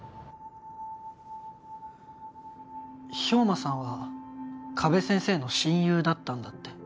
兵馬さんは加部先生の親友だったんだって？